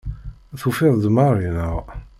Tufiḍ-d Mary, naɣ?